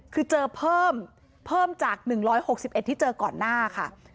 คือเจอเพิ่มเพิ่มจาก๑๖๑ที่เจอก่อนหน้าค่ะ